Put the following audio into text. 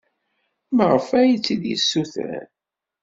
Maɣef ay tt-id-yessuter?